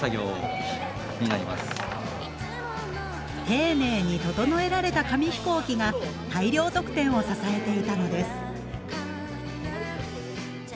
丁寧に整えられた紙飛行機が大量得点を支えていたのです。